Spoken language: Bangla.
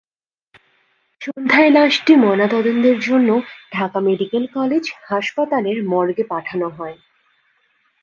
সন্ধ্যায় লাশটি ময়নাতদন্তের জন্য ঢাকা মেডিকেল কলেজ হাসপাতালের মর্গে পাঠানো হয়।